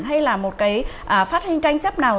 hay là một cái phát hình tranh chấp nào